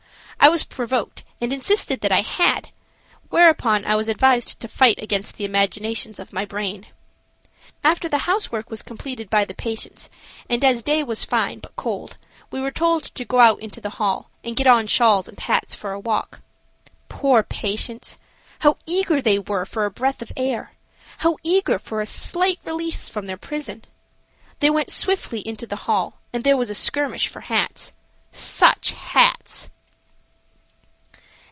I was provoked, and insisted that I had, whereupon I was advised to fight against the imaginations of my brain. After the housework was completed by the patients, and as day was fine, but cold, we were told to go out in the hall and get on shawls and hats for a walk. Poor patients! How eager they were for a breath of air; how eager for a slight release from their prison. They went swiftly into the hall and there was a skirmish for hats. Such hats!